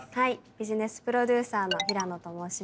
ビジネスプロデューサーの平野と申します。